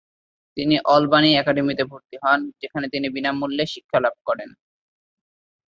তিনি অলবানি একাডেমিতে ভর্তি হন, যেখানে তিনি বিনামূল্যে শিক্ষা লাভ করেন।